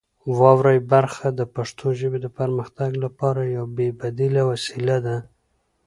واورئ برخه د پښتو ژبې د پرمختګ لپاره یوه بې بدیله وسیله ده.